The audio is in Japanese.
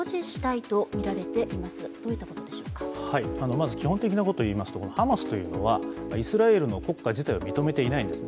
まず基本的なことを言いますとハマスというのは、イスラエルの国家自体を認めていないんです。